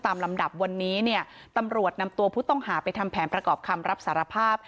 ลำดับวันนี้เนี่ยตำรวจนำตัวผู้ต้องหาไปทำแผนประกอบคำรับสารภาพ